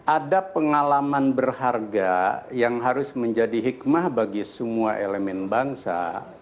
ada pengalaman berharga yang harus menjadi hikmah bagi semua elemen bangsa